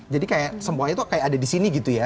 jadi kayak sempowanya itu kayak ada di sini gitu ya